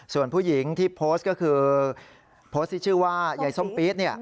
ส่วนผู้หญิงที่โพสต์ก็คือโพสต์ที่ชื่อว่ายายส้มปี๊ด